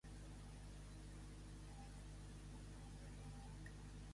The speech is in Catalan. Paco, Paco, a poc a poc; tu no saps, jo tampoc.